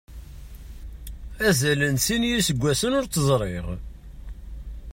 Azal n sin yiseggasen ur tt-ẓriɣ.